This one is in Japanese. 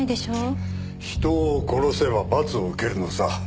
人を殺せば罰を受けるのさ。